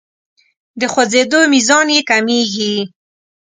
د خوځیدو میزان یې کمیږي.